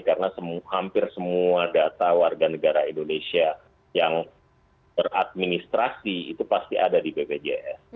karena hampir semua data warga negara indonesia yang beradministrasi itu pasti ada di bpjs